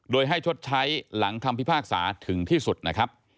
โดยให้ชดใช้หลังคำพิพากษาถึงที่สุดนะครับ